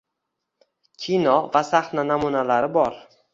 Kino va sahna namunalari bor?